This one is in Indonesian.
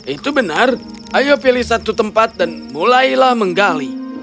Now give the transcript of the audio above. itu benar ayo pilih satu tempat dan mulailah menggali